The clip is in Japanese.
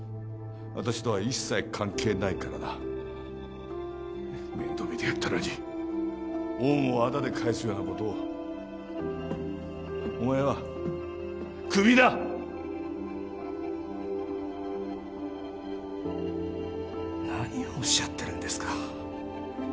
私とは一切関係ないからな面倒見てやったのに恩をあだで返すようなことをお前はクビだ何をおっしゃってるんですか